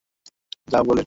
যাও, গেরাল্ডিন!